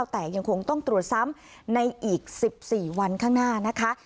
แต่ยังคงต้องตรวจซ้ำในอีก๑๔วันข้างหน้านะคะ